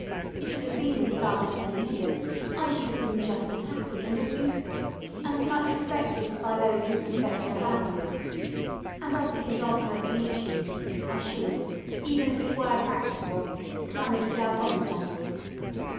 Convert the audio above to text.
If it had been as dark as any nigger's, I should have been just as happy and as useful, and as much respected by those whose respect I value; and as to his offer of bleaching me, I should, even if it were practicable, decline it without any thanks.